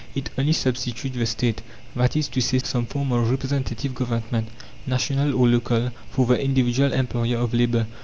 It only substitutes the State, that is to say, some form of Representative Government, national or local, for the individual employer of labour.